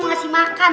mau ngasih makan